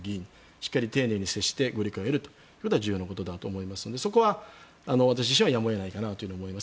しっかり丁寧に接して理解を得るということは重要なことだと思いますのでそこは私自身はやむを得ないかなと思います。